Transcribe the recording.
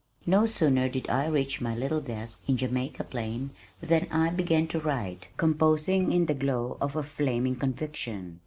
No sooner did I reach my little desk in Jamaica Plain than I began to write, composing in the glow of a flaming conviction.